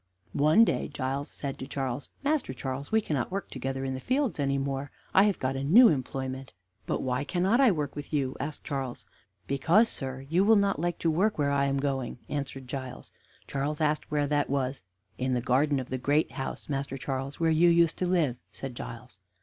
One day Giles said to Charles: "Master Charles, we cannot work together in the fields any more; I have got a new employment" "But why cannot I work with you?" asked Charles. "Because, sir, you will not like to work where I am going," answered Giles. Charles asked where that was. "In the garden of the great house, Master Charles, where you used to live," said Giles.